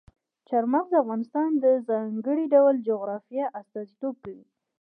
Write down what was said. چار مغز د افغانستان د ځانګړي ډول جغرافیه استازیتوب کوي.